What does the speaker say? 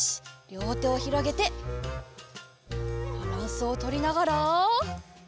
りょうてをひろげてバランスをとりながら。